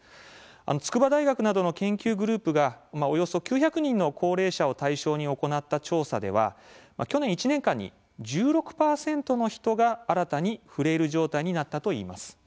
筑波大学などの研究グループがおよそ９００人の高齢者を対象に行った調査では去年１年間に１６％の人が新たにフレイル状態になったといいます。